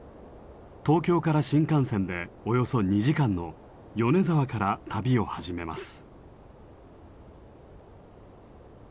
東京から新幹線でおよそ２時間の米沢から旅を始めます。